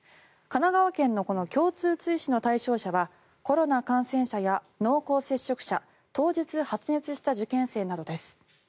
神奈川県の共通追試の対象者はコロナ感染者や濃厚接触者当日、発熱した受験生などです。